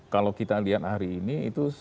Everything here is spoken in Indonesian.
kalau kita lihat hari ini itu